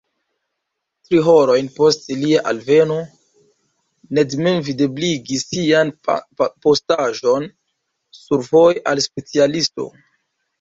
Tri horojn post lia alveno, Ned mem videbligis sian postaĵon survoje al la specialisto.